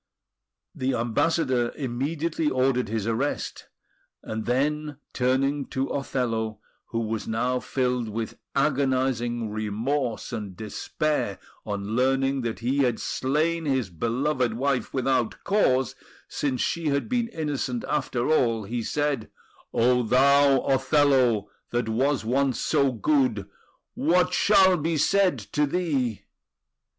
The Ambassador immediately ordered his arrest; and then, turning to Othello, who was now filled with agonising remorse and despair on learning that he had slain his beloved wife without cause, since she had been innocent after all, he said: "O thou Othello, that was once so good, What shall be said to thee?"